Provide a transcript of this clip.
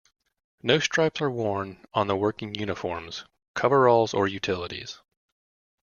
No stripes are worn on the working uniforms - coveralls or utilities.